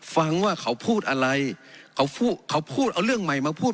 ฟังว่าเขาพูดอะไรเขาพูดเขาพูดเอาเรื่องใหม่มาพูด